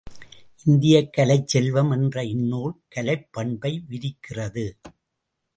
இந்தியக் கலைச் செல்வம் என்ற இந்நூல் கலைப் பண்பை விரிக்கிறது.